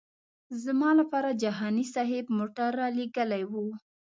زما لپاره جهاني صاحب موټر رالېږلی و.